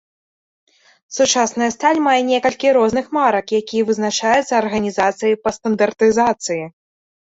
Сучасная сталь мае некалькі розных марак, якія вызначаюцца арганізацыяй па стандартызацыі.